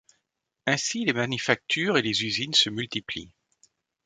Ainsi, les manufactures et les usines se multiplient.